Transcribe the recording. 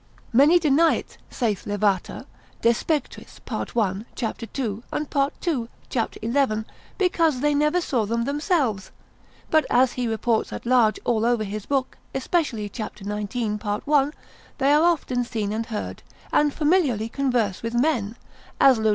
Many deny it, saith Lavater, de spectris, part 1. c. 2, and part 2. c. 11, because they never saw them themselves; but as he reports at large all over his book, especially c. 19. part 1, they are often seen and heard, and familiarly converse with men, as Lod.